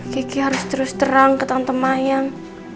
kiki harus terus terang ke tante mayang